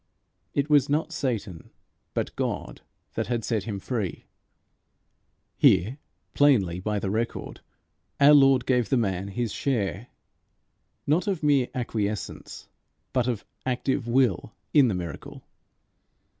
It was not Satan, but God that had set him free. Here, plainly by the record, our Lord gave the man his share, not of mere acquiescence, but of active will, in the miracle.